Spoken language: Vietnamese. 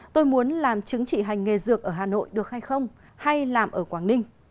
tôi muốn làm chứng chỉ hành nghề dược ở hà nội được hay không hay làm ở quảng ninh